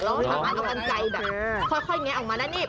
แล้วถามอันเอาเป็นใจแบบค่อยอย่างนี้ออกมาได้นี่